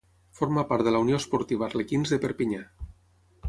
Forma part de la Unió Esportiva Arlequins de Perpinyà.